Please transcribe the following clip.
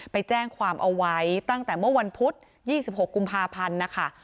ไปแจ้งความเอาไว้ตั้งแต่เมื่อวันพุธ๒๖กุมภาพันธ์นะคะ